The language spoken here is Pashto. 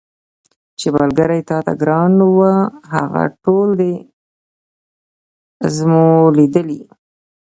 چي ملګري تاته ګران وه هغه ټول دي زمولېدلي